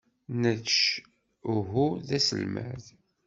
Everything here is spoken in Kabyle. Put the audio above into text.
Nec uhu d aselmad.